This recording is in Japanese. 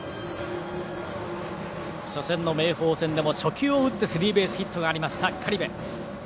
初戦の明豊戦でも初球を打ってスリーベースヒットがありました苅部。